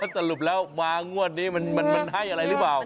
สรุปแล้วมางวดนี้มันให้อะไรหรือเปล่า